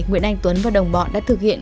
nguyễn anh tuấn và đồng bọn đã thực hiện